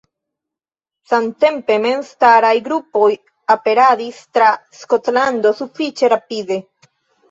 Samtempe memstaraj grupoj aperadis tra Skotlando sufiĉe rapide.